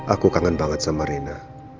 aku kangen banget sama rena